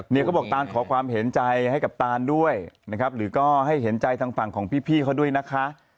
เนี่ยก็บอกตานขอความเห็นใจให้กับตานด้วยนะครับหรือก็ให้เห็นใจทางฝั่งของพี่เขาด้วยนะคะ